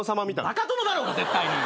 バカ殿だろ絶対に。